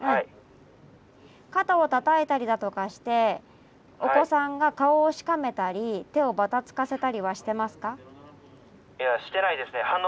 肩をたたいたりだとかしてお子さんが顔をしかめたり手をばたつかせたりはしてますか？